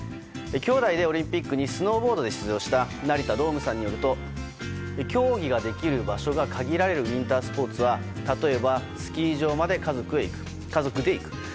兄妹でオリンピックにスノーボードで出場した成田童夢さんによると競技ができる場所が限られるウィンタースポーツは例えばスキー場まで家族で行く。